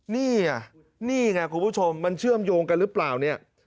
นี่ไงนี่ไงคุณผู้ชมมันเชื่อมโยงกันหรือเปล่าเนี่ย